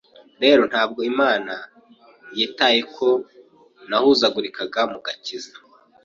Rero ntabwo Imana yitaye ko nahuzagurikaga mu gakiza,